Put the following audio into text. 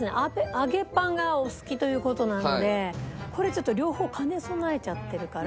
揚げパンがお好きという事なのでこれちょっと両方兼ね備えちゃってるから。